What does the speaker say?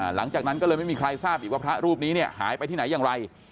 หลังจากนั้นก็เลยไม่มีใครทราบอีกว่าพระรูปนี้เนี่ยหายไปที่ไหนอย่างไร